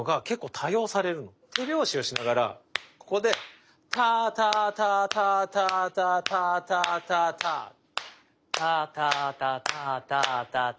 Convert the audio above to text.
手拍子をしながらここでタタタタタタタタタタタタタタタタタタタタそうそうそうそう。